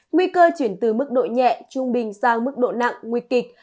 nguy cơ chuyển từ mức độ nhẹ trung bình sang mức độ nặng nguy kịch